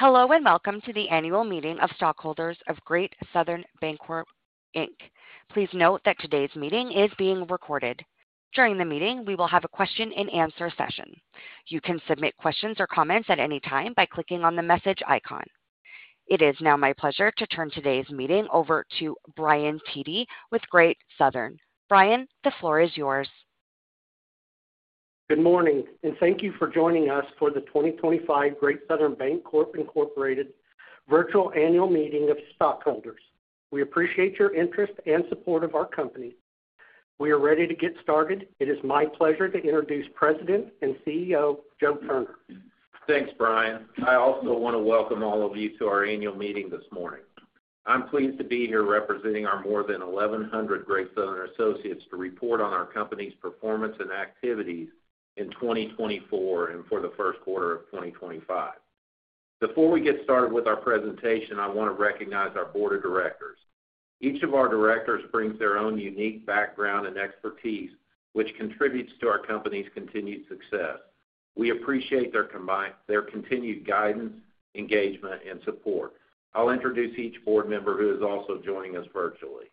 Hello and welcome to the annual meeting of stockholders of Great Southern Bancorp, Inc. Please note that today's meeting is being recorded. During the meeting, we will have a question-and-answer session. You can submit questions or comments at any time by clicking on the message icon. It is now my pleasure to turn today's meeting over to Brian Tedee with Great Southern. Brian, the floor is yours. Good morning, and thank you for joining us for the 2025 Great Southern Bancorp virtual annual meeting of stockholders. We appreciate your interest and support of our company. We are ready to get started. It is my pleasure to introduce President and CEO Joe Turner. Thanks, Brian. I also want to welcome all of you to our annual meeting this morning. I'm pleased to be here representing our more than 1,100 Great Southern associates to report on our company's performance and activities in 2024 and for the first quarter of 2025. Before we get started with our presentation, I want to recognize our board of directors. Each of our directors brings their own unique background and expertise, which contributes to our company's continued success. We appreciate their continued guidance, engagement, and support. I'll introduce each board member who is also joining us virtually.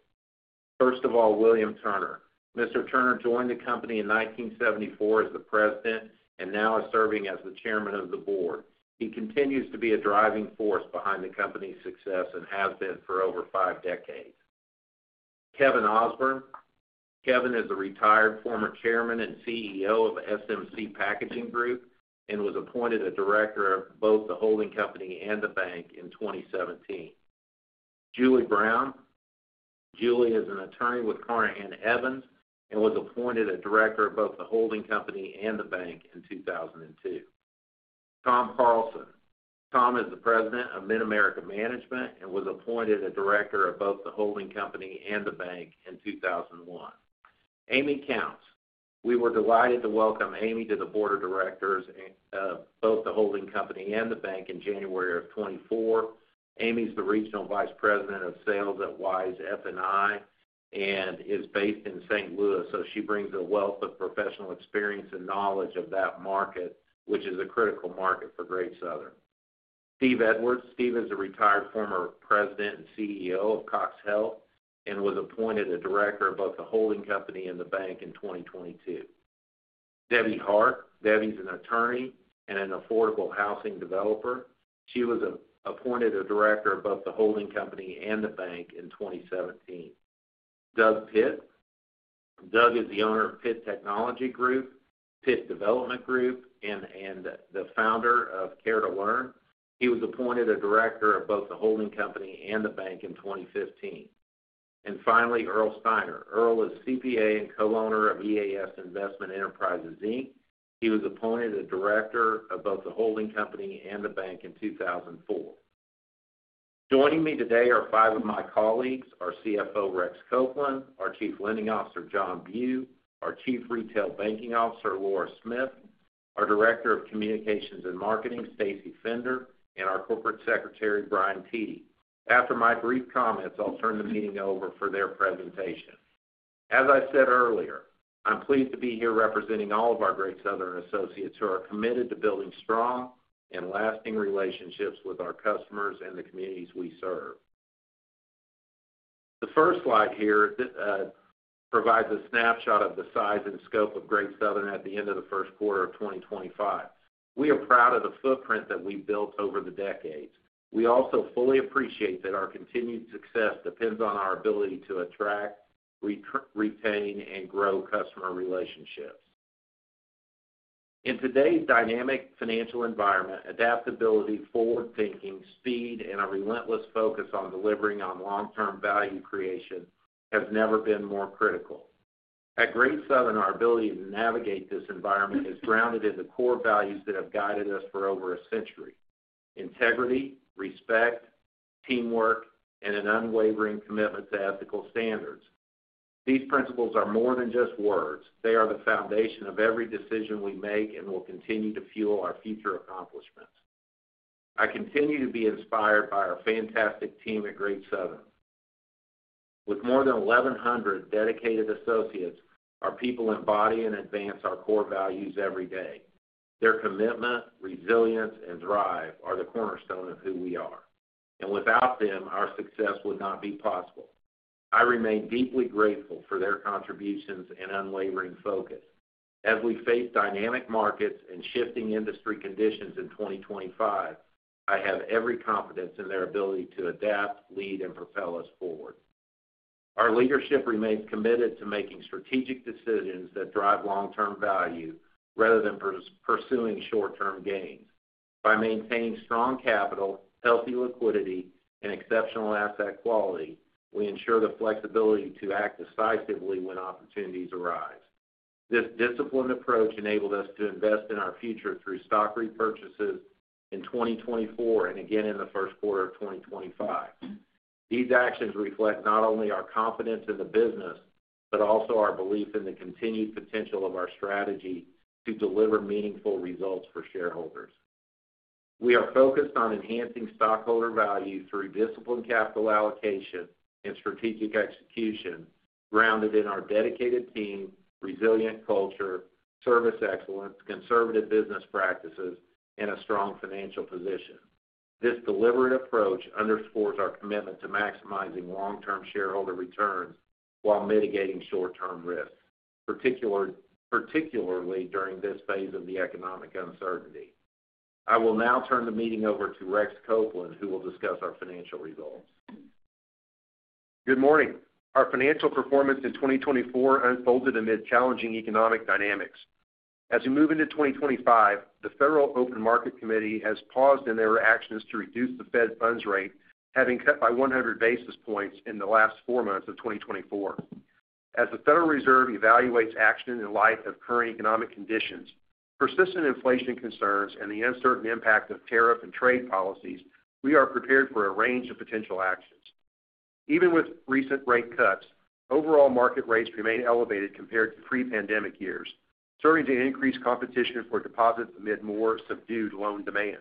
First of all, William Turner. Mr. Turner joined the company in 1974 as the president and now is serving as the chairman of the board. He continues to be a driving force behind the company's success and has been for over five decades. Kevin Osborne. Kevin is a retired former chairman and CEO of SMC Packaging Group and was appointed a director of both the holding company and the bank in 2017. Julie Brown. Julie is an attorney with Carnahan Evans and was appointed a director of both the holding company and the bank in 2002. Tom Carlson. Tom is the president of MidAmerica Management and was appointed a director of both the holding company and the bank in 2001. Amy Counts. We were delighted to welcome Amy to the board of directors of both the holding company and the bank in January of 2024. Amy's the regional vice president of sales at Wise F&I and is based in St. Louis, so she brings a wealth of professional experience and knowledge of that market, which is a critical market for Great Southern. Steve Edwards. Steve is a retired former president and CEO of Cox Health and was appointed a director of both the holding company and the bank in 2022. Debbie Hart. Debbie's an attorney and an affordable housing developer. She was appointed a director of both the holding company and the bank in 2017. Doug Pitt. Doug is the owner of Pitt Technology Group, Pitt Development Group, and the founder of Care to Learn. He was appointed a director of both the holding company and the bank in 2015. Finally, Earl Steiner. Earl is CPA and co-owner of EAS Investment Enterprises, Inc. He was appointed a director of both the holding company and the bank in 2004. Joining me today are five of my colleagues: our CFO, Rex Copeland; our Chief Lending Officer, John Bugh; our Chief Retail Banking Officer, Laura Smith; our Director of Communications and Marketing, Stacy Fender; and our Corporate Secretary, Brian Tedee. After my brief comments, I'll turn the meeting over for their presentation. As I said earlier, I'm pleased to be here representing all of our Great Southern associates who are committed to building strong and lasting relationships with our customers and the communities we serve. The first slide here provides a snapshot of the size and scope of Great Southern at the end of the first quarter of 2025. We are proud of the footprint that we've built over the decades. We also fully appreciate that our continued success depends on our ability to attract, retain, and grow customer relationships. In today's dynamic financial environment, adaptability, forward-thinking, speed, and a relentless focus on delivering on long-term value creation have never been more critical. At Great Southern, our ability to navigate this environment is grounded in the core values that have guided us for over a century: integrity, respect, teamwork, and an unwavering commitment to ethical standards. These principles are more than just words. They are the foundation of every decision we make and will continue to fuel our future accomplishments. I continue to be inspired by our fantastic team at Great Southern. With more than 1,100 dedicated associates, our people embody and advance our core values every day. Their commitment, resilience, and drive are the cornerstone of who we are. Without them, our success would not be possible. I remain deeply grateful for their contributions and unwavering focus. As we face dynamic markets and shifting industry conditions in 2025, I have every confidence in their ability to adapt, lead, and propel us forward. Our leadership remains committed to making strategic decisions that drive long-term value rather than pursuing short-term gains. By maintaining strong capital, healthy liquidity, and exceptional asset quality, we ensure the flexibility to act decisively when opportunities arise. This disciplined approach enabled us to invest in our future through stock repurchases in 2024 and again in the first quarter of 2025. These actions reflect not only our confidence in the business but also our belief in the continued potential of our strategy to deliver meaningful results for shareholders. We are focused on enhancing stockholder value through disciplined capital allocation and strategic execution grounded in our dedicated team, resilient culture, service excellence, conservative business practices, and a strong financial position. This deliberate approach underscores our commitment to maximizing long-term shareholder returns while mitigating short-term risks, particularly during this phase of the economic uncertainty. I will now turn the meeting over to Rex Copeland, who will discuss our financial results. Good morning. Our financial performance in 2024 unfolded amid challenging economic dynamics. As we move into 2025, the Federal Open Market Committee has paused in their actions to reduce the Fed funds rate, having cut by 100 basis points in the last four months of 2024. As the Federal Reserve evaluates action in light of current economic conditions, persistent inflation concerns, and the uncertain impact of tariff and trade policies, we are prepared for a range of potential actions. Even with recent rate cuts, overall market rates remain elevated compared to pre-pandemic years, serving to increase competition for deposits amid more subdued loan demand.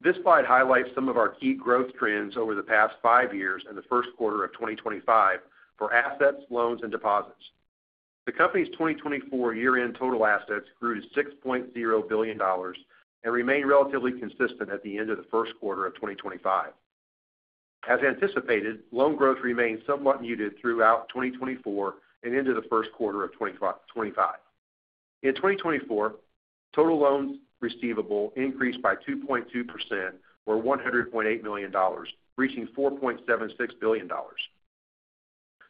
This slide highlights some of our key growth trends over the past five years and the first quarter of 2025 for assets, loans, and deposits. The company's 2024 year-end total assets grew to $6.0 billion and remained relatively consistent at the end of the first quarter of 2025. As anticipated, loan growth remained somewhat muted throughout 2024 and into the first quarter of 2025. In 2024, total loans receivable increased by 2.2%, or $100.8 million, reaching $4.76 billion.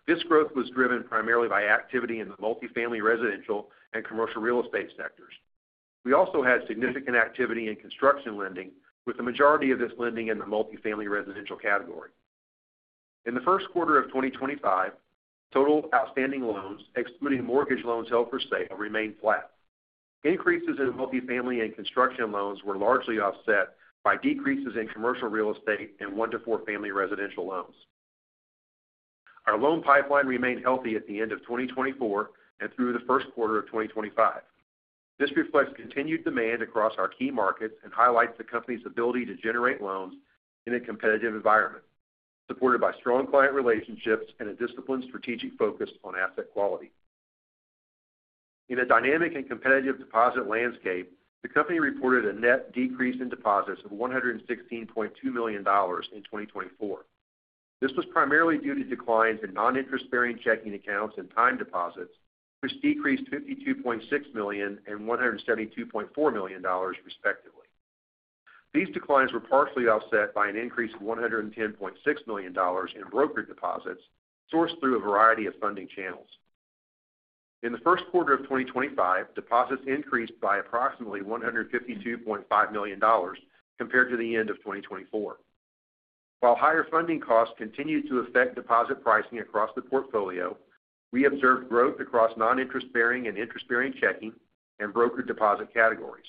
This growth was driven primarily by activity in the multifamily, residential, and commercial real estate sectors. We also had significant activity in construction lending, with the majority of this lending in the multifamily residential category. In the first quarter of 2025, total outstanding loans, excluding mortgage loans held for sale, remained flat. Increases in multifamily and construction loans were largely offset by decreases in commercial real estate and one-to-four-family residential loans. Our loan pipeline remained healthy at the end of 2024 and through the first quarter of 2025. This reflects continued demand across our key markets and highlights the company's ability to generate loans in a competitive environment, supported by strong client relationships and a disciplined strategic focus on asset quality. In a dynamic and competitive deposit landscape, the company reported a net decrease in deposits of $116.2 million in 2024. This was primarily due to declines in non-interest-bearing checking accounts and time deposits, which decreased $52.6 million and $172.4 million, respectively. These declines were partially offset by an increase of $110.6 million in brokerage deposits sourced through a variety of funding channels. In the first quarter of 2025, deposits increased by approximately $152.5 million compared to the end of 2024. While higher funding costs continue to affect deposit pricing across the portfolio, we observed growth across non-interest-bearing and interest-bearing checking and brokerage deposit categories.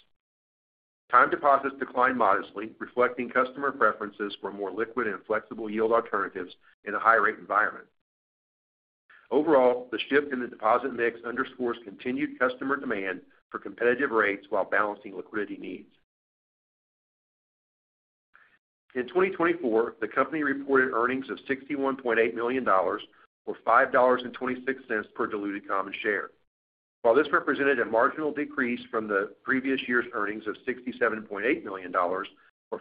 Time deposits declined modestly, reflecting customer preferences for more liquid and flexible yield alternatives in a high-rate environment. Overall, the shift in the deposit mix underscores continued customer demand for competitive rates while balancing liquidity needs. In 2024, the company reported earnings of $61.8 million, or $5.26 per diluted common share. While this represented a marginal decrease from the previous year's earnings of $67.8 million, or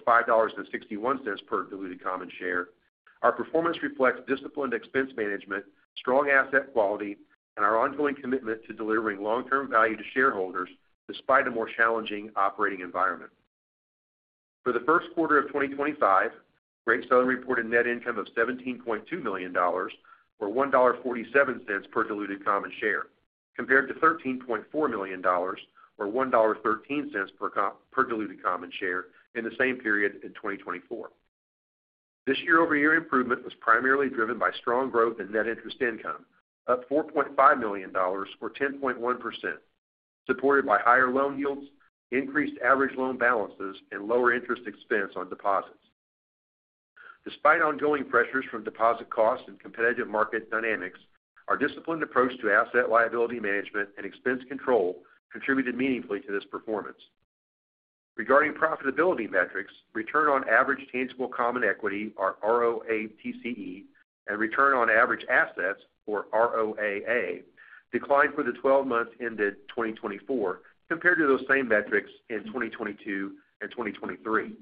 $5.61 per diluted common share, our performance reflects disciplined expense management, strong asset quality, and our ongoing commitment to delivering long-term value to shareholders despite a more challenging operating environment. For the first quarter of 2025, Great Southern reported net income of $17.2 million, or $1.47 per diluted common share, compared to $13.4 million, or $1.13 per diluted common share in the same period in 2024. This year-over-year improvement was primarily driven by strong growth in net interest income, up $4.5 million, or 10.1%, supported by higher loan yields, increased average loan balances, and lower interest expense on deposits. Despite ongoing pressures from deposit costs and competitive market dynamics, our disciplined approach to asset liability management and expense control contributed meaningfully to this performance. Regarding profitability metrics, Return On Average Tangible Common Equity, or ROATCE, and Return On Average Assets, or ROAA, declined for the 12 months ended 2024 compared to those same metrics in 2022 and 2023.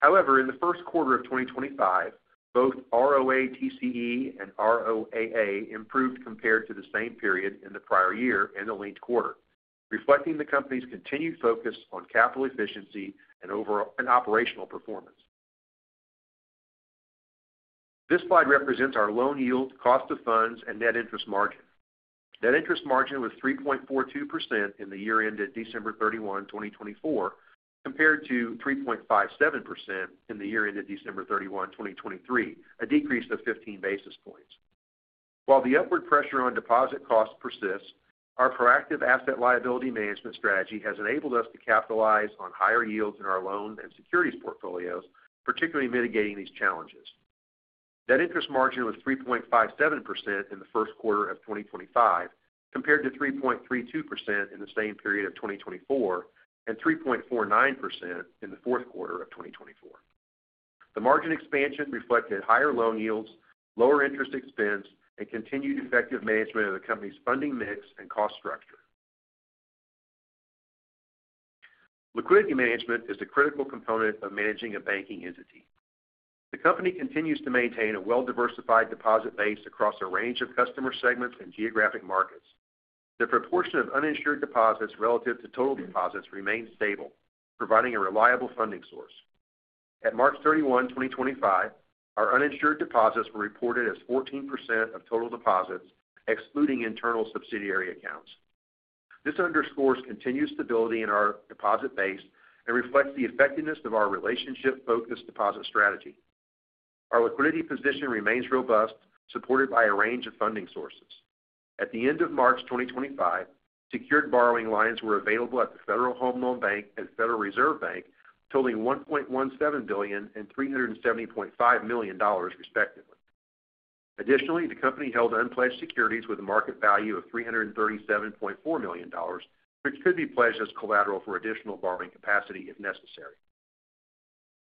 However, in the first quarter of 2025, both ROATCE and ROAA improved compared to the same period in the prior year and the linked quarter, reflecting the company's continued focus on capital efficiency and operational performance. This slide represents our loan yield, cost of funds, and net interest margin. Net interest margin was 3.42% in the year-end at December 31, 2024, compared to 3.57% in the year-end at December 31, 2023, a decrease of 15 basis points. While the upward pressure on deposit costs persists, our proactive asset liability management strategy has enabled us to capitalize on higher yields in our loan and securities portfolios, particularly mitigating these challenges. Net interest margin was 3.57% in the first quarter of 2025 compared to 3.32% in the same period of 2024 and 3.49% in the fourth quarter of 2024. The margin expansion reflected higher loan yields, lower interest expense, and continued effective management of the company's funding mix and cost structure. Liquidity management is a critical component of managing a banking entity. The company continues to maintain a well-diversified deposit base across a range of customer segments and geographic markets. The proportion of uninsured deposits relative to total deposits remains stable, providing a reliable funding source. At March 31, 2025, our uninsured deposits were reported as 14% of total deposits, excluding internal subsidiary accounts. This underscores continued stability in our deposit base and reflects the effectiveness of our relationship-focused deposit strategy. Our liquidity position remains robust, supported by a range of funding sources. At the end of March 2025, secured borrowing lines were available at the Federal Home Loan Bank and Federal Reserve Bank, totaling $1.17 billion and $370.5 million, respectively. Additionally, the company held unpledged securities with a market value of $337.4 million, which could be pledged as collateral for additional borrowing capacity if necessary.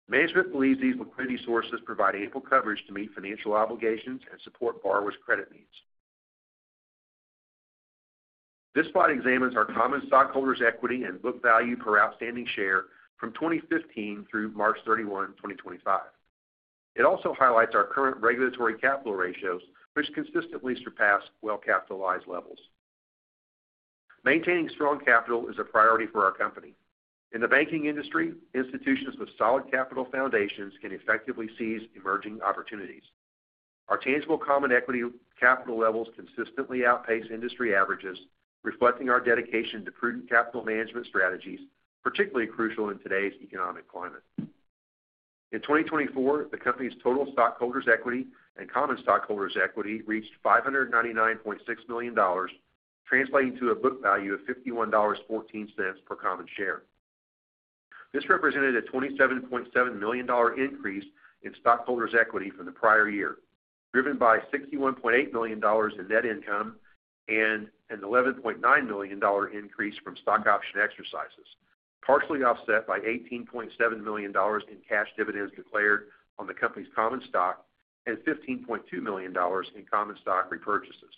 Management believes these liquidity sources provide ample coverage to meet financial obligations and support borrowers' credit needs. This slide examines our common stockholders' equity and book value per outstanding share from 2015 through March 31, 2025. It also highlights our current regulatory capital ratios, which consistently surpass well-capitalized levels. Maintaining strong capital is a priority for our company. In the banking industry, institutions with solid capital foundations can effectively seize emerging opportunities. Our tangible common equity capital levels consistently outpace industry averages, reflecting our dedication to prudent capital management strategies, particularly crucial in today's economic climate. In 2024, the company's total stockholders' equity and common stockholders' equity reached $599.6 million, translating to a book value of $51.14 per common share. This represented a $27.7 million increase in stockholders' equity from the prior year, driven by $61.8 million in net income and an $11.9 million increase from stock option exercises, partially offset by $18.7 million in cash dividends declared on the company's common stock and $15.2 million in common stock repurchases.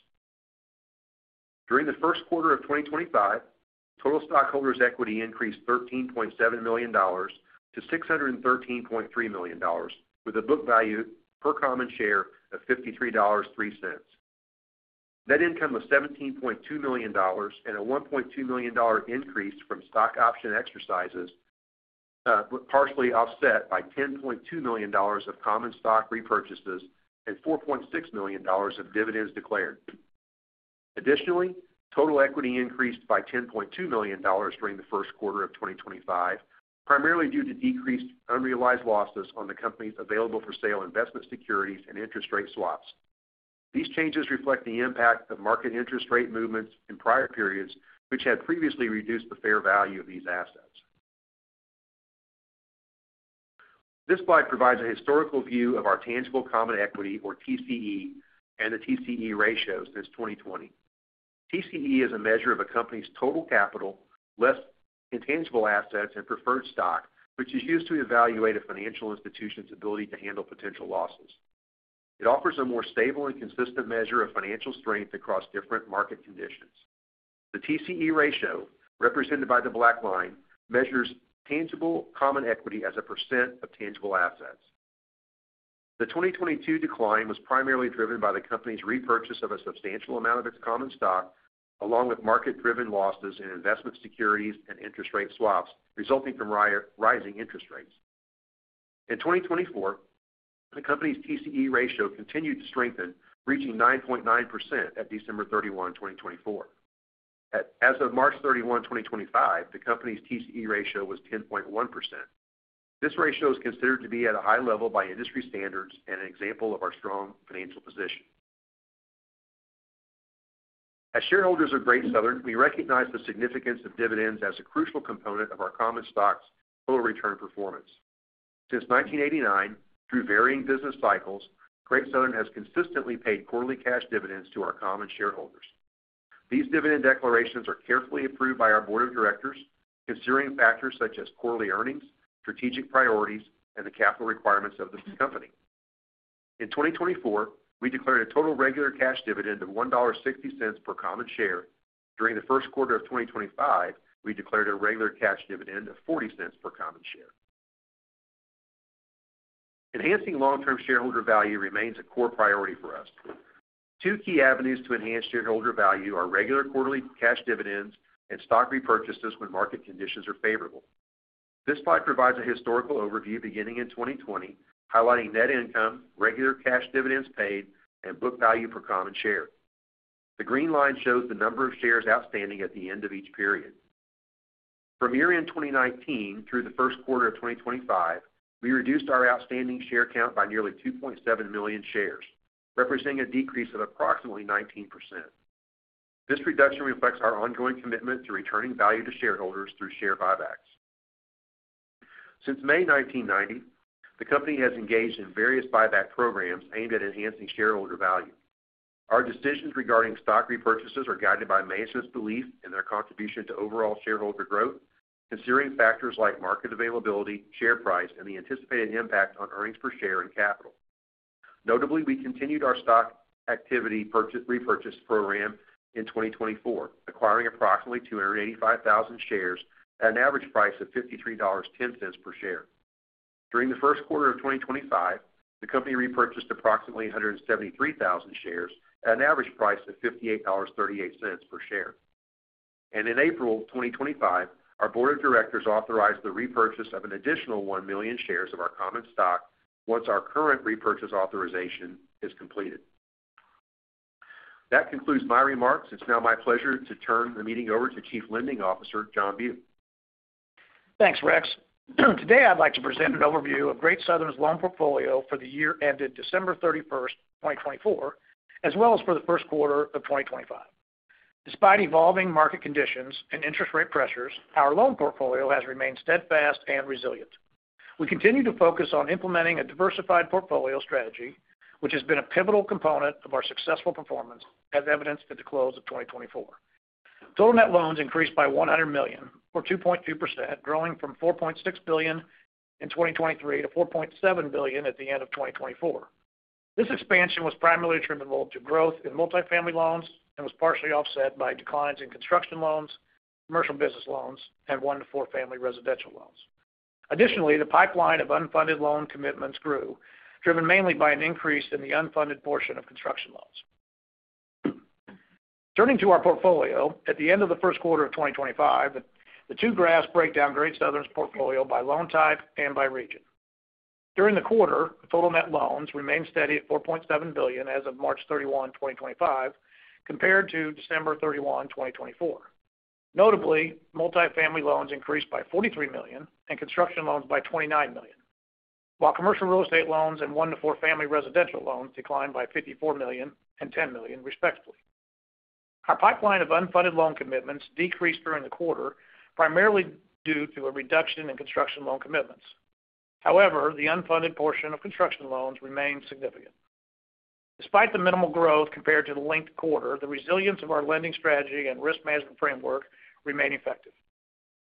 During the first quarter of 2025, total stockholders' equity increased $13.7 million to $613.3 million, with a book value per common share of $53.03. Net income of $17.2 million and a $1.2 million increase from stock option exercises partially offset by $10.2 million of common stock repurchases and $4.6 million of dividends declared. Additionally, total equity increased by $10.2 million during the first quarter of 2025, primarily due to decreased unrealized losses on the company's available-for-sale investment securities and interest rate swaps. These changes reflect the impact of market interest rate movements in prior periods, which had previously reduced the fair value of these assets. This slide provides a historical view of our Tangible Common Equity, or TCE, and the TCE ratio since 2020. TCE is a measure of a company's total capital, less intangible assets and preferred stock, which is used to evaluate a financial institution's ability to handle potential losses. It offers a more stable and consistent measure of financial strength across different market conditions. The TCE ratio, represented by the black line, measures Tangible Common Equity as a percent of tangible assets. The 2022 decline was primarily driven by the company's repurchase of a substantial amount of its common stock, along with market-driven losses in investment securities and interest rate swaps resulting from rising interest rates. In 2024, the company's TCE ratio continued to strengthen, reaching 9.9% at December 31, 2024. As of March 31, 2025, the company's TCE ratio was 10.1%. This ratio is considered to be at a high level by industry standards and an example of our strong financial position. As shareholders of Great Southern, we recognize the significance of dividends as a crucial component of our common stock's total return performance. Since 1989, through varying business cycles, Great Southern has consistently paid quarterly cash dividends to our common shareholders. These dividend declarations are carefully approved by our board of directors, considering factors such as quarterly earnings, strategic priorities, and the capital requirements of the company. In 2024, we declared a total regular cash dividend of $1.60 per common share. During the first quarter of 2025, we declared a regular cash dividend of $0.40 per common share. Enhancing long-term shareholder value remains a core priority for us. Two key avenues to enhance shareholder value are regular quarterly cash dividends and stock repurchases when market conditions are favorable. This slide provides a historical overview beginning in 2020, highlighting net income, regular cash dividends paid, and book value per common share. The green line shows the number of shares outstanding at the end of each period. From year-end 2019 through the first quarter of 2025, we reduced our outstanding share count by nearly 2.7 million shares, representing a decrease of approximately 19%. This reduction reflects our ongoing commitment to returning value to shareholders through share buybacks. Since May 1990, the company has engaged in various buyback programs aimed at enhancing shareholder value. Our decisions regarding stock repurchases are guided by management's belief in their contribution to overall shareholder growth, considering factors like market availability, share price, and the anticipated impact on earnings per share and capital. Notably, we continued our stock repurchase program in 2024, acquiring approximately 285,000 shares at an average price of $53.10 per share. During the first quarter of 2025, the company repurchased approximately 173,000 shares at an average price of $58.38 per share. In April 2025, our board of directors authorized the repurchase of an additional 1 million shares of our common stock once our current repurchase authorization is completed. That concludes my remarks. It's now my pleasure to turn the meeting over to Chief Lending Officer, John Bugh. Thanks, Rex. Today, I'd like to present an overview of Great Southern's loan portfolio for the year-ended December 31, 2024, as well as for the first quarter of 2025. Despite evolving market conditions and interest rate pressures, our loan portfolio has remained steadfast and resilient. We continue to focus on implementing a diversified portfolio strategy, which has been a pivotal component of our successful performance, as evidenced at the close of 2024. Total net loans increased by $100 million, or 2.2%, growing from $4.6 billion in 2023 to $4.7 billion at the end of 2024. This expansion was primarily attributable to growth in multifamily loans and was partially offset by declines in construction loans, commercial business loans, and one-to-four-family residential loans. Additionally, the pipeline of unfunded loan commitments grew, driven mainly by an increase in the unfunded portion of construction loans. Turning to our portfolio, at the end of the first quarter of 2025, the two graphs break down Great Southern's portfolio by loan type and by region. During the quarter, total net loans remained steady at $4.7 billion as of March 31, 2025, compared to December 31, 2024. Notably, multifamily loans increased by $43 million and construction loans by $29 million, while commercial real estate loans and one-to-four-family residential loans declined by $54 million and $10 million, respectively. Our pipeline of unfunded loan commitments decreased during the quarter, primarily due to a reduction in construction loan commitments. However, the unfunded portion of construction loans remained significant. Despite the minimal growth compared to the linked quarter, the resilience of our lending strategy and risk management framework remained effective.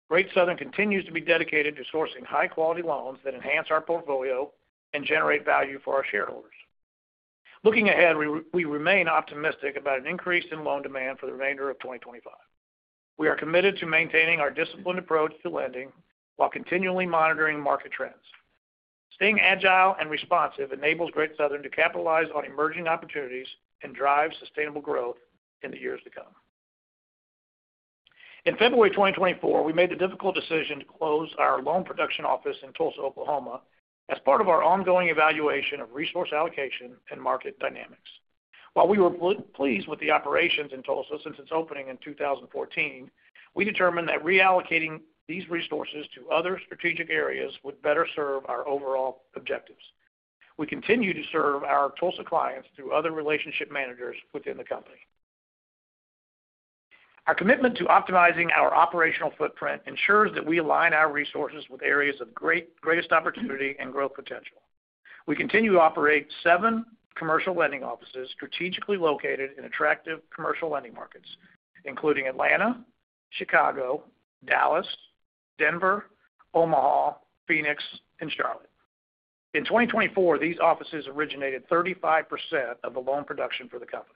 Great Southern continues to be dedicated to sourcing high-quality loans that enhance our portfolio and generate value for our shareholders. Looking ahead, we remain optimistic about an increase in loan demand for the remainder of 2025. We are committed to maintaining our disciplined approach to lending while continually monitoring market trends. Staying agile and responsive enables Great Southern to capitalize on emerging opportunities and drive sustainable growth in the years to come. In February 2024, we made the difficult decision to close our loan production office in Tulsa, Oklahoma, as part of our ongoing evaluation of resource allocation and market dynamics. While we were pleased with the operations in Tulsa since its opening in 2014, we determined that reallocating these resources to other strategic areas would better serve our overall objectives. We continue to serve our Tulsa clients through other relationship managers within the company. Our commitment to optimizing our operational footprint ensures that we align our resources with areas of greatest opportunity and growth potential. We continue to operate seven commercial lending offices strategically located in attractive commercial lending markets, including Atlanta, Chicago, Dallas, Denver, Omaha, Phoenix, and Charlotte. In 2024, these offices originated 35% of the loan production for the company.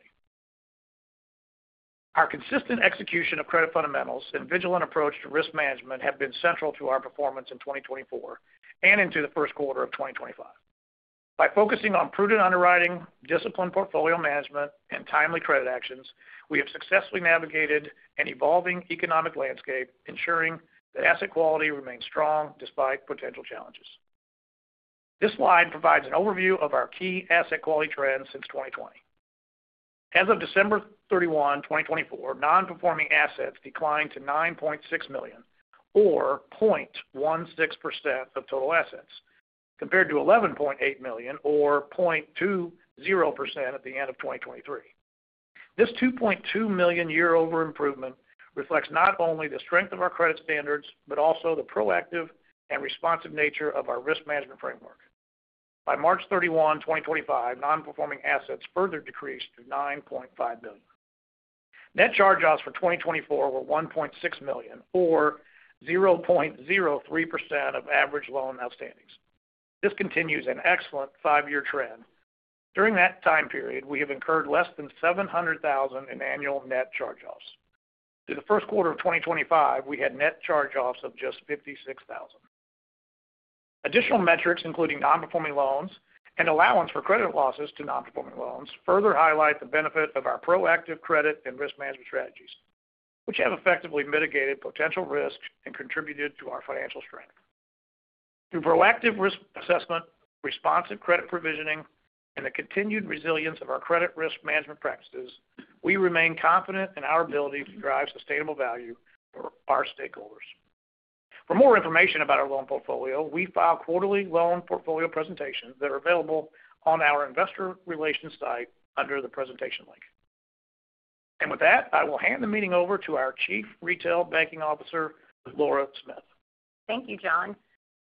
Our consistent execution of credit fundamentals and vigilant approach to risk management have been central to our performance in 2024 and into the first quarter of 2025. By focusing on prudent underwriting, disciplined portfolio management, and timely credit actions, we have successfully navigated an evolving economic landscape, ensuring that asset quality remains strong despite potential challenges. This slide provides an overview of our key asset quality trends since 2020. As of December 31, 2024, non-performing assets declined to $9.6 million, or 0.16% of total assets, compared to $11.8 million, or 0.20% at the end of 2023. This $2.2 million year-over improvement reflects not only the strength of our credit standards but also the proactive and responsive nature of our risk management framework. By March 31, 2025, non-performing assets further decreased to $9.5 million. Net charge-offs for 2024 were $1.6 million, or 0.03% of average loan outstandings. This continues an excellent five-year trend. During that time period, we have incurred less than $700,000 in annual net charge-offs. Through the first quarter of 2025, we had net charge-offs of just $56,000. Additional metrics, including non-performing loans and allowance for credit losses to non-performing loans, further highlight the benefit of our proactive credit and risk management strategies, which have effectively mitigated potential risks and contributed to our financial strength. Through proactive risk assessment, responsive credit provisioning, and the continued resilience of our credit risk management practices, we remain confident in our ability to drive sustainable value for our stakeholders. For more information about our loan portfolio, we file quarterly loan portfolio presentations that are available on our investor relations site under the presentation link. With that, I will hand the meeting over to our Chief Retail Banking Officer, Laura Smith. Thank you, John.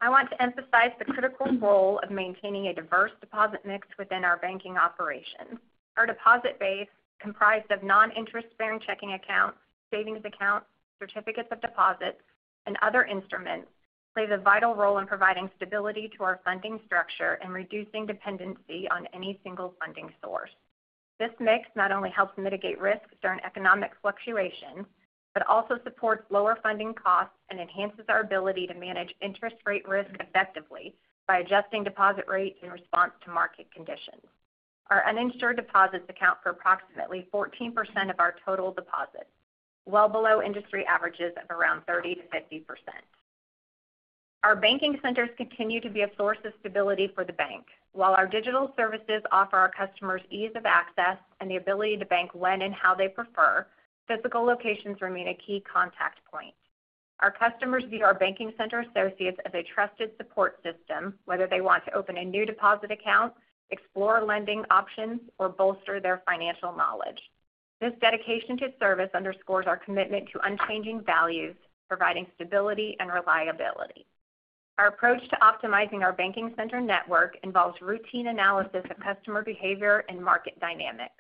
I want to emphasize the critical role of maintaining a diverse deposit mix within our banking operations. Our deposit base, comprised of non-interest-bearing checking accounts, savings accounts, certificates of deposit, and other instruments, plays a vital role in providing stability to our funding structure and reducing dependency on any single funding source. This mix not only helps mitigate risks during economic fluctuations but also supports lower funding costs and enhances our ability to manage interest rate risk effectively by adjusting deposit rates in response to market conditions. Our uninsured deposits account for approximately 14% of our total deposits, well below industry averages of around 30%-50%. Our banking centers continue to be a source of stability for the bank. While our digital services offer our customers ease of access and the ability to bank when and how they prefer, physical locations remain a key contact point. Our customers view our banking center associates as a trusted support system, whether they want to open a new deposit account, explore lending options, or bolster their financial knowledge. This dedication to service underscores our commitment to unchanging values, providing stability and reliability. Our approach to optimizing our banking center network involves routine analysis of customer behavior and market dynamics.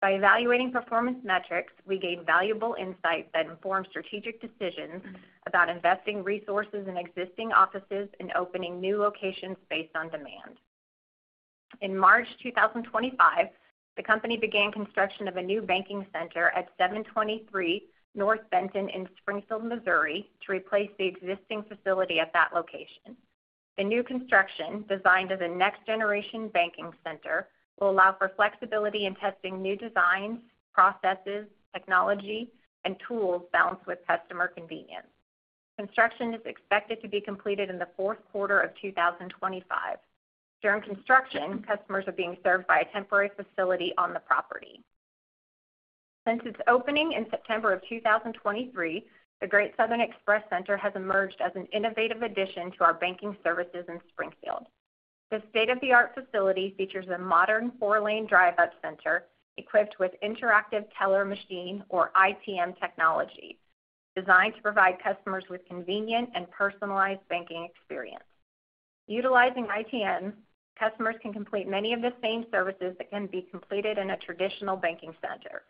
By evaluating performance metrics, we gain valuable insights that inform strategic decisions about investing resources in existing offices and opening new locations based on demand. In March 2025, the company began construction of a new banking center at 723 North Benton in Springfield, Missouri, to replace the existing facility at that location. The new construction, designed as a next-generation banking center, will allow for flexibility in testing new designs, processes, technology, and tools balanced with customer convenience. Construction is expected to be completed in the fourth quarter of 2025. During construction, customers are being served by a temporary facility on the property. Since its opening in September of 2023, the Great Southern Express Center has emerged as an innovative addition to our banking services in Springfield. This state-of-the-art facility features a modern four-lane drive-up center equipped with Interactive Teller Machine, or ITM, technology, designed to provide customers with convenient and personalized banking experience. Utilizing ITM, customers can complete many of the same services that can be completed in a traditional banking center,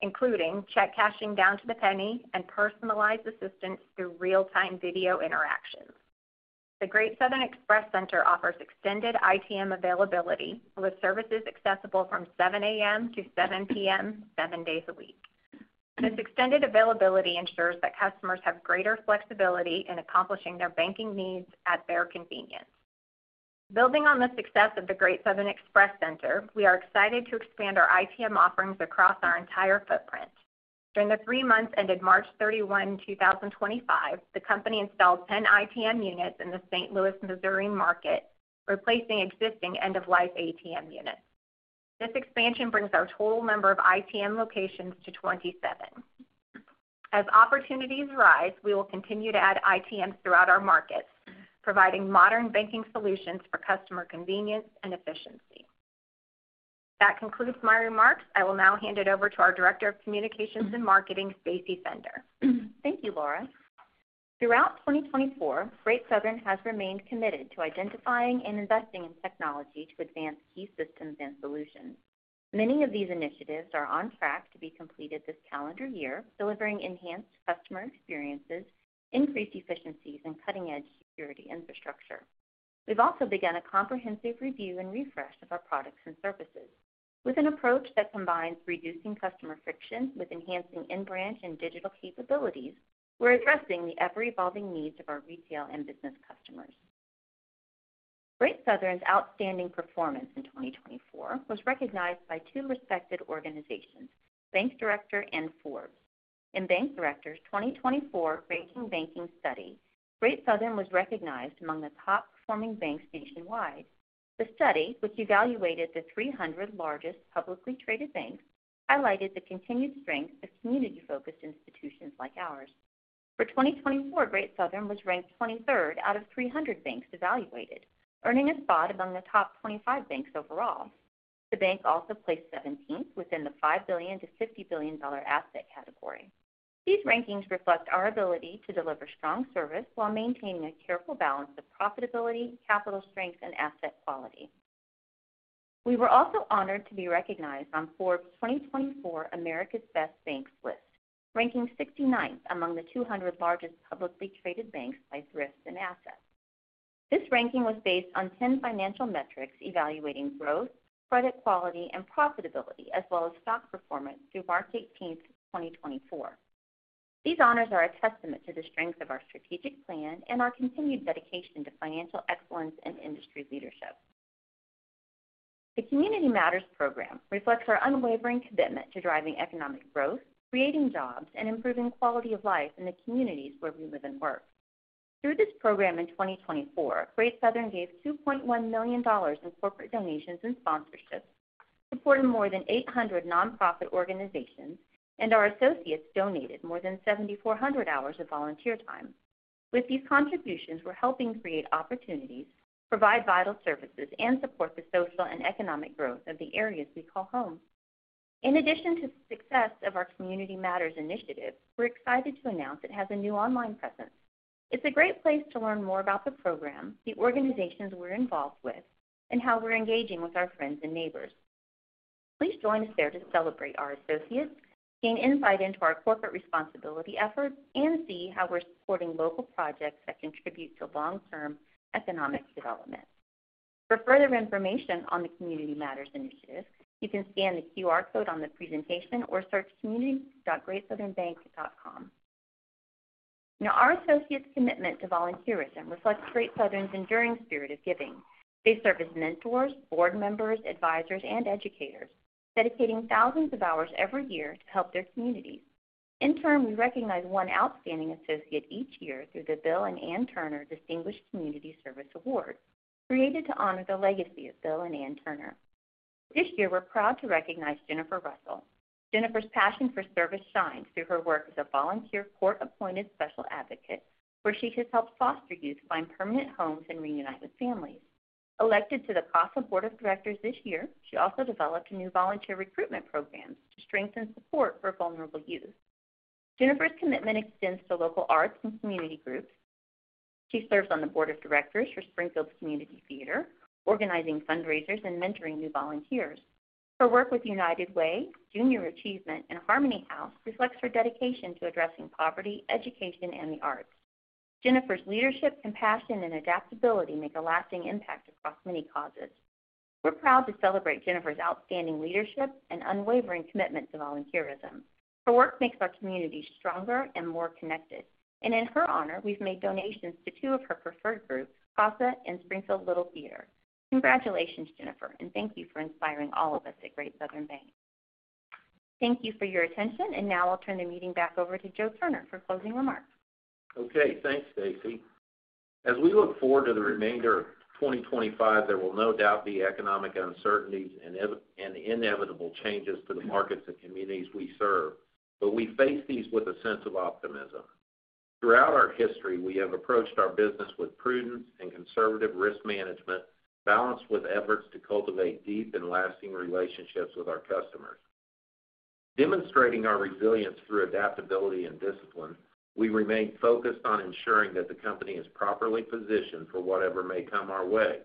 including check cashing down to the penny and personalized assistance through real-time video interactions. The Great Southern Express Center offers extended ITM availability, with services accessible from 7:00 A.M. to 7:00 P.M., seven days a week. This extended availability ensures that customers have greater flexibility in accomplishing their banking needs at their convenience. Building on the success of the Great Southern Express Center, we are excited to expand our ITM offerings across our entire footprint. During the three months ended March 31, 2025, the company installed 10 ITM units in the St. Louis, Missouri, market, replacing existing end-of-life ATM units. This expansion brings our total number of ITM locations to 27. As opportunities rise, we will continue to add ITMs throughout our markets, providing modern banking solutions for customer convenience and efficiency. That concludes my remarks. I will now hand it over to our Director of Communications and Marketing, Stacy Fender. Thank you, Laura. Throughout 2024, Great Southern has remained committed to identifying and investing in technology to advance key systems and solutions. Many of these initiatives are on track to be completed this calendar year, delivering enhanced customer experiences, increased efficiencies, and cutting-edge security infrastructure. We've also begun a comprehensive review and refresh of our products and services. With an approach that combines reducing customer friction with enhancing in-branch and digital capabilities, we're addressing the ever-evolving needs of our retail and business customers. Great Southern's outstanding performance in 2024 was recognized by two respected organizations, Bank Director and Forbes. In Bank Director's 2024 Ranking Banking Study, Great Southern was recognized among the top-performing banks nationwide. The study, which evaluated the 300 largest publicly traded banks, highlighted the continued strength of community-focused institutions like ours. For 2024, Great Southern was ranked 23rd out of 300 banks evaluated, earning a spot among the top 25 banks overall. The bank also placed 17th within the $5 billion-$50 billion asset category. These rankings reflect our ability to deliver strong service while maintaining a careful balance of profitability, capital strength, and asset quality. We were also honored to be recognized on Forbes' 2024 America's Best Banks list, ranking 69th among the 200 largest publicly traded banks by thrifts and assets. This ranking was based on 10 financial metrics evaluating growth, credit quality, and profitability, as well as stock performance through March 18, 2024. These honors are a testament to the strength of our strategic plan and our continued dedication to financial excellence and industry leadership. The Community Matters program reflects our unwavering commitment to driving economic growth, creating jobs, and improving quality of life in the communities where we live and work. Through this program in 2024, Great Southern gave $2.1 million in corporate donations and sponsorships, supported more than 800 nonprofit organizations, and our associates donated more than 7,400 hours of volunteer time. With these contributions, we're helping create opportunities, provide vital services, and support the social and economic growth of the areas we call home. In addition to the success of our Community Matters initiative, we're excited to announce it has a new online presence. It's a great place to learn more about the program, the organizations we're involved with, and how we're engaging with our friends and neighbors. Please join us there to celebrate our associates, gain insight into our corporate responsibility efforts, and see how we're supporting local projects that contribute to long-term economic development. For further information on the Community Matters initiative, you can scan the QR code on the presentation or search community.greatsouthernbank.com. Our associates' commitment to volunteerism reflects Great Southern's enduring spirit of giving. They serve as mentors, board members, advisors, and educators, dedicating thousands of hours every year to help their communities. In turn, we recognize one outstanding associate each year through the Bill and Ann Turner Distinguished Community Service Award, created to honor the legacy of Bill and Ann Turner. This year, we're proud to recognize Jennifer Russell. Jennifer's passion for service shines through her work as a volunteer court-appointed special advocate, where she has helped foster youth find permanent homes and reunite with families. Elected to the Kosser Board of Directors this year, she also developed a new volunteer recruitment program to strengthen support for vulnerable youth. Jennifer's commitment extends to local arts and community groups. She serves on the Board of Directors for Springfield Community Theater, organizing fundraisers and mentoring new volunteers. Her work with United Way, Junior Achievement, and Harmony House reflects her dedication to addressing poverty, education, and the arts. Jennifer's leadership, compassion, and adaptability make a lasting impact across many causes. We are proud to celebrate Jennifer's outstanding leadership and unwavering commitment to volunteerism. Her work makes our communities stronger and more connected. In her honor, we have made donations to two of her preferred groups, Kosser and Springfield Little Theater. Congratulations, Jennifer, and thank you for inspiring all of us at Great Southern Bank. Thank you for your attention, and now I'll turn the meeting back over to Joe Turner for closing remarks. Okay, thanks, Stacy. As we look forward to the remainder of 2025, there will no doubt be economic uncertainties and inevitable changes to the markets and communities we serve, but we face these with a sense of optimism. Throughout our history, we have approached our business with prudence and conservative risk management, balanced with efforts to cultivate deep and lasting relationships with our customers. Demonstrating our resilience through adaptability and discipline, we remain focused on ensuring that the company is properly positioned for whatever may come our way,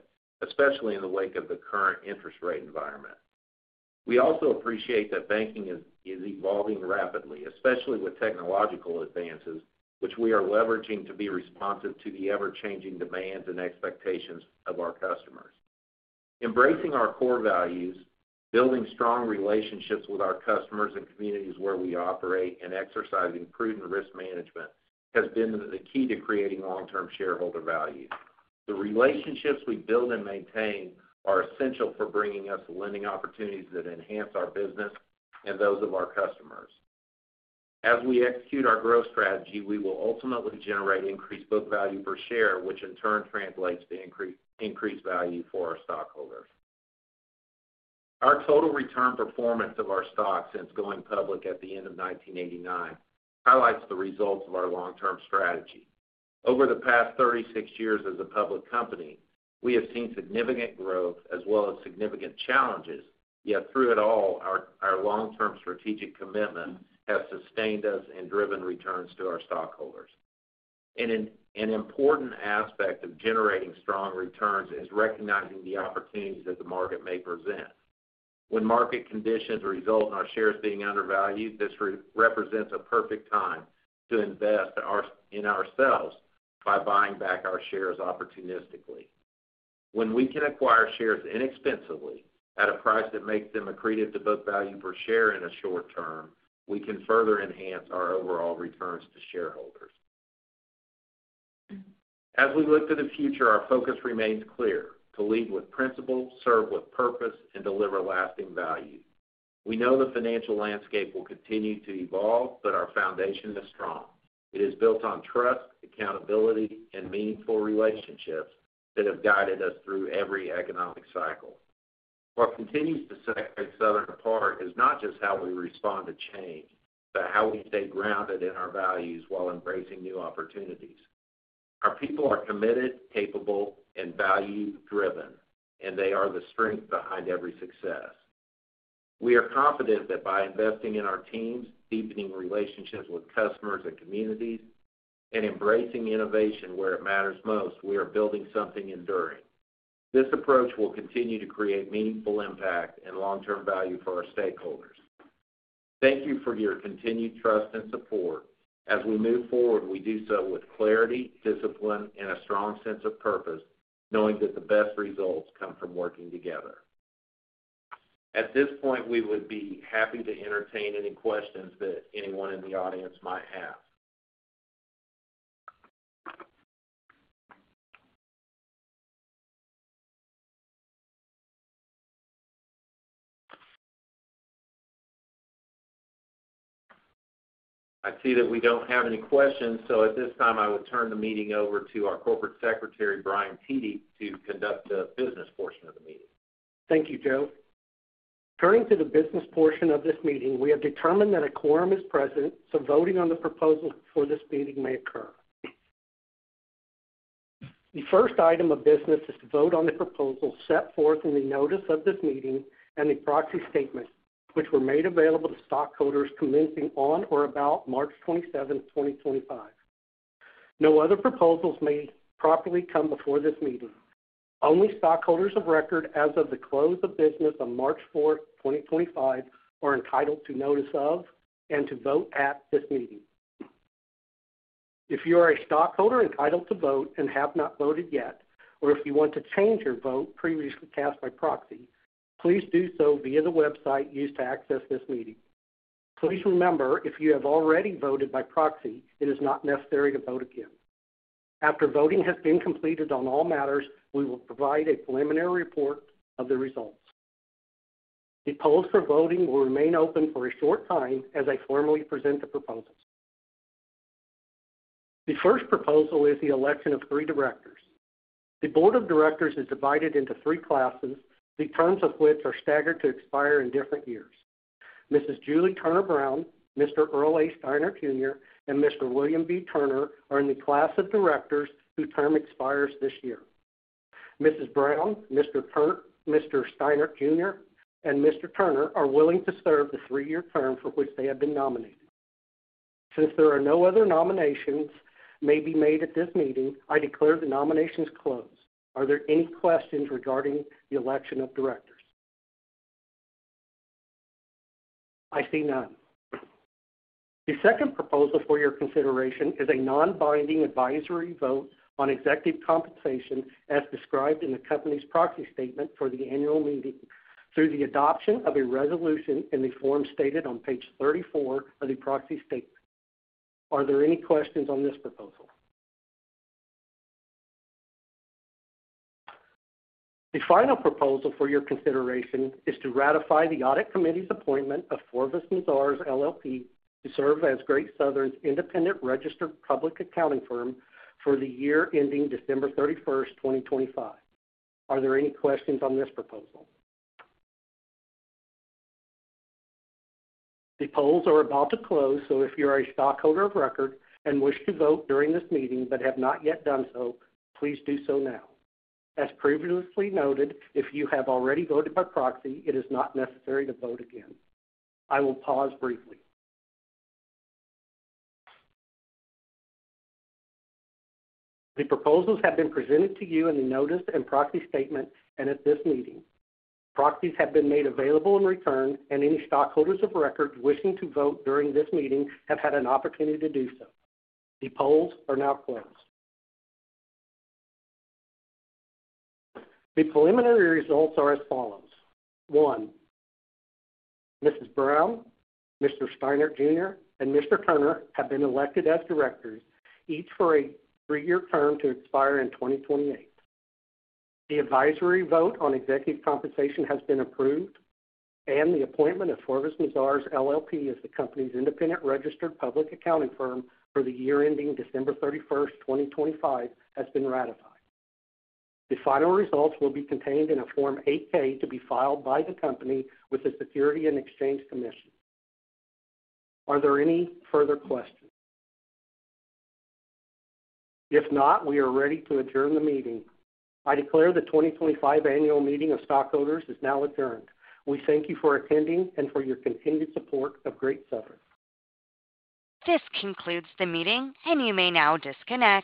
especially in the wake of the current interest rate environment. We also appreciate that banking is evolving rapidly, especially with technological advances, which we are leveraging to be responsive to the ever-changing demands and expectations of our customers. Embracing our core values, building strong relationships with our customers and communities where we operate, and exercising prudent risk management has been the key to creating long-term shareholder value. The relationships we build and maintain are essential for bringing us lending opportunities that enhance our business and those of our customers. As we execute our growth strategy, we will ultimately generate increased book value per share, which in turn translates to increased value for our stockholders. Our total return performance of our stock since going public at the end of 1989 highlights the results of our long-term strategy. Over the past 36 years as a public company, we have seen significant growth as well as significant challenges, yet through it all, our long-term strategic commitment has sustained us and driven returns to our stockholders. An important aspect of generating strong returns is recognizing the opportunities that the market may present. When market conditions result in our shares being undervalued, this represents a perfect time to invest in ourselves by buying back our shares opportunistically. When we can acquire shares inexpensively at a price that makes them accretive to book value per share in the short term, we can further enhance our overall returns to shareholders. As we look to the future, our focus remains clear: to lead with principles, serve with purpose, and deliver lasting value. We know the financial landscape will continue to evolve, but our foundation is strong. It is built on trust, accountability, and meaningful relationships that have guided us through every economic cycle. What continues to set Great Southern apart is not just how we respond to change, but how we stay grounded in our values while embracing new opportunities. Our people are committed, capable, and value-driven, and they are the strength behind every success. We are confident that by investing in our teams, deepening relationships with customers and communities, and embracing innovation where it matters most, we are building something enduring. This approach will continue to create meaningful impact and long-term value for our stakeholders. Thank you for your continued trust and support. As we move forward, we do so with clarity, discipline, and a strong sense of purpose, knowing that the best results come from working together. At this point, we would be happy to entertain any questions that anyone in the audience might have. I see that we do not have any questions, so at this time, I will turn the meeting over to our Corporate Secretary, Brian Tedee, to conduct the business portion of the meeting. Thank you, Joe. Turning to the business portion of this meeting, we have determined that a quorum is present, so voting on the proposal for this meeting may occur. The first item of business is to vote on the proposal set forth in the notice of this meeting and the proxy statement, which were made available to stockholders commencing on or about March 27, 2025. No other proposals may properly come before this meeting. Only stockholders of record as of the close of business on March 4, 2025, are entitled to notice of and to vote at this meeting. If you are a stockholder entitled to vote and have not voted yet, or if you want to change your vote previously cast by proxy, please do so via the website used to access this meeting. Please remember, if you have already voted by proxy, it is not necessary to vote again. After voting has been completed on all matters, we will provide a preliminary report of the results. The polls for voting will remain open for a short time as I formally present the proposals. The first proposal is the election of three directors. The Board of Directors is divided into three classes, the terms of which are staggered to expire in different years. Mrs. Julie Brown, Mr. Earl A. Steiner Jr., and Mr. William B. Turner are in the class of directors whose term expires this year. Mrs. Brown, Mr. Steiner Jr., and Mr. Turner are willing to serve the three-year term for which they have been nominated. Since there are no other nominations may be made at this meeting, I declare the nominations closed. Are there any questions regarding the election of directors? I see none. The second proposal for your consideration is a non-binding advisory vote on executive compensation as described in the company's proxy statement for the annual meeting through the adoption of a resolution in the form stated on page 34 of the proxy statement. Are there any questions on this proposal? The final proposal for your consideration is to ratify the audit committee's appointment of Forbes & Mazars, LLP, to serve as Great Southern's independent registered public accounting firm for the year ending December 31, 2025. Are there any questions on this proposal? The polls are about to close, so if you are a stockholder of record and wish to vote during this meeting but have not yet done so, please do so now. As previously noted, if you have already voted by proxy, it is not necessary to vote again. I will pause briefly. The proposals have been presented to you in the notice and proxy statement and at this meeting. Proxies have been made available in return, and any stockholders of record wishing to vote during this meeting have had an opportunity to do so. The polls are now closed. The preliminary results are as follows. One, Mrs. Brown, Mr. Steiner Jr., and Mr. Turner have been elected as directors, each for a three-year term to expire in 2028. The advisory vote on executive compensation has been approved, and the appointment of Forbes & Mazars, LLP, as the company's independent registered public accounting firm for the year ending December 31, 2025, has been ratified. The final results will be contained in a Form 8-K to be filed by the company with the Securities and Exchange Commission. Are there any further questions? If not, we are ready to adjourn the meeting. I declare the 2025 annual meeting of stockholders is now adjourned. We thank you for attending and for your continued support of Great Southern. This concludes the meeting, and you may now disconnect.